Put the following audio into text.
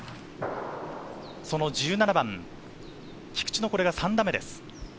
その１７番、菊地のこれが３打目です。